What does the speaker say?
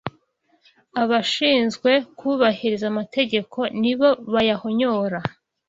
Abashinzwe kubahiriza amategeko nibo bayahonyora